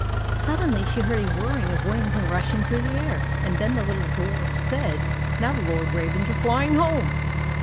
Suddenly she heard a whirring of wings and a rushing through the air, and then the little dwarf said, "Now the lord ravens are flying home."